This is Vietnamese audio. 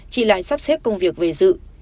chị lại sắp xếp công việc về dự